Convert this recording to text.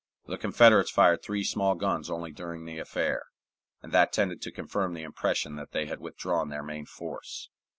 The Confederates fired three small guns only during the affair, and that tended to confirm the impression that they had withdrawn their main force.